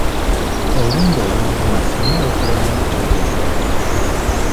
Olumbe olumuluma fenna lutulemye okutegeera.